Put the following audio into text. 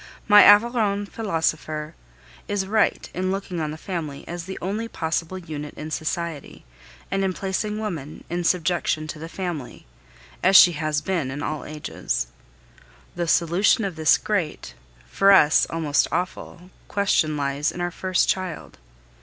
My Aveyron philosopher is right in looking on the family as the only possible unit in society, and in placing woman in subjection to the family, as she has been in all ages. The solution of this great for us almost awful question lies in our first child.